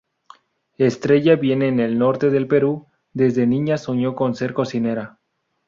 Estrella vive en el norte del Perú, desde niña soñó con ser cocinera.